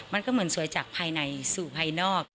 มันก็เหมือนสวยจากภายในสู่ภายนอก